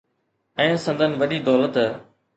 ۽ سندن وڏي دولت.